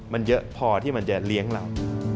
มันเยอะพอที่มันจะเลี้ยงเรา